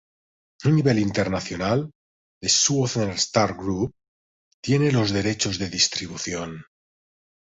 A nivel internacional "The Southern Star Group" tiene los derechos de distribución.